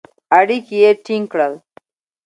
اړیکي یې ټینګ کړل.